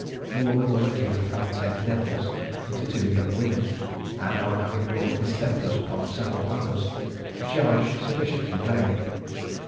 The woman was accused of having sent devils into two young women, and of having brought distempers upon several others, a charge sufficiently vague.